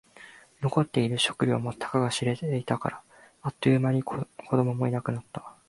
残っている食料もたかが知れていたから。あっという間に子供もいなくなった。